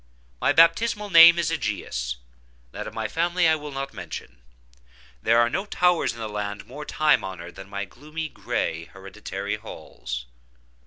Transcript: My baptismal name is Egaeus; that of my family I will not mention. Yet there are no towers in the land more time honored than my gloomy, gray, hereditary halls.